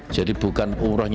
jadi bukan umrohnya